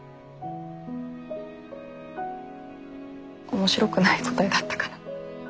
面白くない答えだったかな。